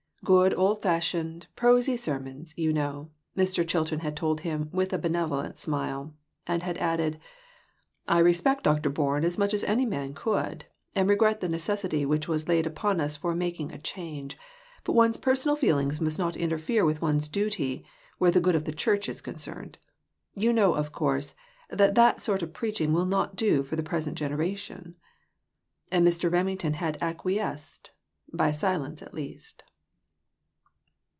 Good old fash ioned, prosy sermons, you know," Mr. Chilton had told him with a benevolent smile; and had added "I respect Dr. Bourne as much as any man could, and regret the necessity which was laid upon us for making a change ; but one's personal feelings must not interfere with one's duty, where the good of the church is concerned. You know, of course, that that sort of preaching will not do for the present generation ?" And Mr. Reming ton had acquiesced, by silence at least.